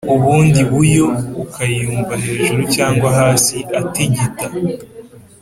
ubundi buyo ukayumva hejuru cyangwa hasi atigita.